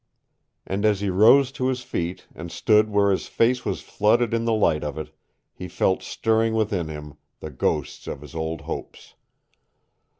And as he rose to his feet and stood where his face was flooded in the light of it, he felt stirring within him the ghosts of his old hopes.